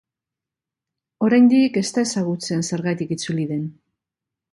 Oraindik ez da ezagutzen zergatik itzuli den.